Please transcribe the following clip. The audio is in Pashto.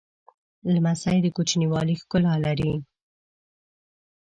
لمسی د کوچنیوالي ښکلا لري.